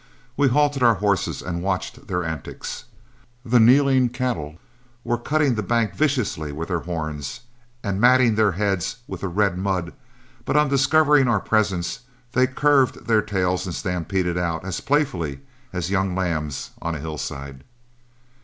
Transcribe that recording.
We halted our horses and watched their antics. The kneeling cattle were cutting the bank viciously with their horns and matting their heads with the red mud, but on discovering our presence, they curved their tails and stampeded out as playfully as young lambs on a hillside.